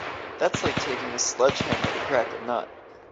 That’s like taking a sledgehammer to crack a nut.